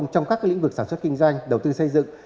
trong các lĩnh vực sản xuất kinh doanh đầu tư xây dựng